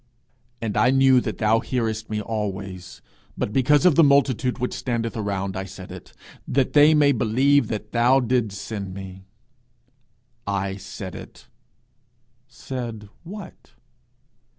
'And I knew that thou hearest me always, but because of the multitude which standeth around I said it, that they may believe that thou didst send me.' 'I said it:' said what?